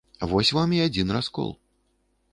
Вось вам і адзін раскол.